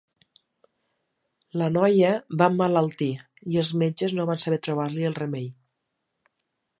La noia va emmalaltir i els metges no van saber trobar-li el remei.